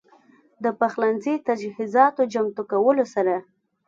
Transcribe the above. د پخلنځي تجهيزاتو چمتو کولو سره